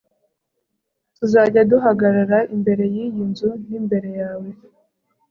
tuzajya duhagarara imbere yiyi nzu nimbere yawe